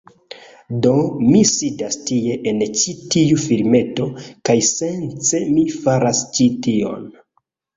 Do, mi sidas tie, en ĉi tiu filmeto, kaj, sence mi faras ĉi tion...